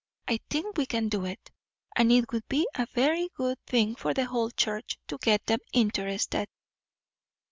I think we can do it; and it would be a very good thing for the whole church, to get 'em interested."